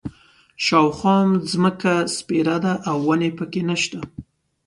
شاوخوا ځمکه سپېره ده او ونې په کې نه شته.